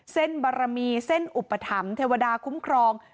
เส้นบารมีเส้นอุปถัมภ์เทวดาคุ้มครอง